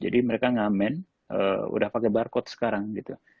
jadi mereka ngamen udah pakai barcode sekarang gitu